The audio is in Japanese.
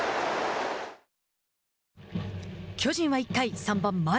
巨人は１回３番丸。